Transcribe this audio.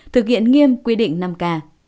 thực hiện nghiêm quy định năm k